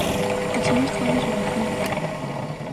The team's colors were red and blue.